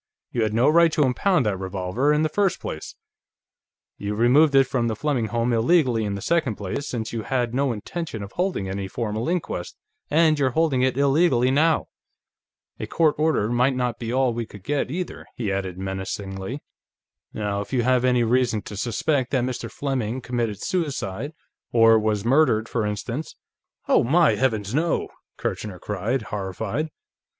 You had no right to impound that revolver, in the first place; you removed it from the Fleming home illegally in the second place, since you had no intention of holding any formal inquest, and you're holding it illegally now. A court order might not be all we could get, either," he added menacingly. "Now, if you have any reason to suspect that Mr. Fleming committed suicide ... or was murdered, for instance ..." "Oh, my heavens, no!" Kirchner cried, horrified.